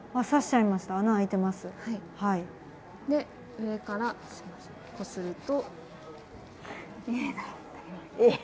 上からこすると。